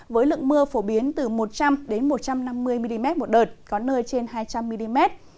với lượng mưa phổ biến từ một trăm linh một trăm năm mươi mm một đợt có nơi trên hai trăm linh mm